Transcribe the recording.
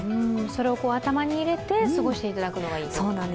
それを頭に入れて過ごしていただくのがいいと。